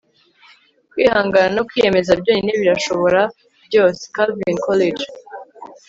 kwihangana no kwiyemeza byonyine birashobora byose. - calvin coolidge